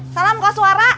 salam kau suara